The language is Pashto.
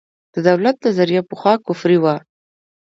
د دولت نظریه پخوا کفري وه.